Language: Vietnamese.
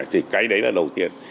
thì cái đấy là đầu tiên